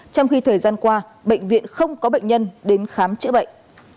trong khi thời gian qua bệnh viện không có bệnh nhân đến khám chữa bệnh